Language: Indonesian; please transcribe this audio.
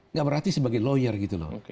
nggak berarti sebagai lawyer gitu loh